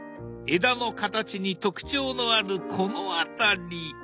枝の形に特徴のあるこの辺り。